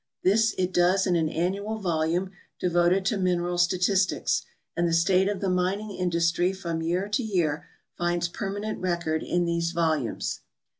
This it does in an annual volume devoted to mineral statistics, and the state of the mining industry from year to year finds permanent record in these vol umes.